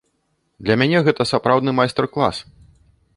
Для мяне гэта сапраўдны майстар-клас.